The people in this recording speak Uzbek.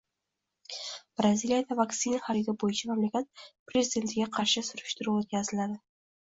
Braziliyada vaksina xaridi bo‘yicha mamlakat prezidentiga qarshi surishtiruv o‘tkaziladi